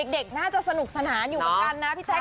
เด็กน่าจะสนุกสนานอยู่กันนะพี่แจ๊คนะ